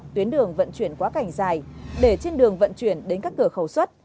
tuyến đường vận chuyển quá cảnh dài để trên đường vận chuyển đến các cửa khẩu xuất